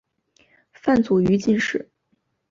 范祖禹进士。